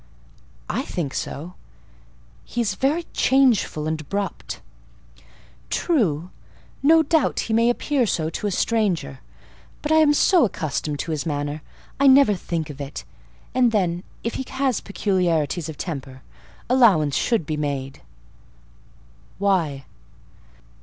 "I think so: he is very changeful and abrupt." "True: no doubt he may appear so to a stranger, but I am so accustomed to his manner, I never think of it; and then, if he has peculiarities of temper, allowance should be made." "Why?"